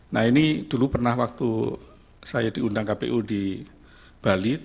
nah ini dulu pernah waktu saya diundang kpu di bali